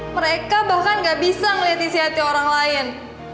mereka bahkan gak bisa ngeliat isi hati orang lain